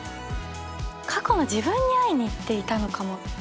過去の自分に会いに行っていたのかも。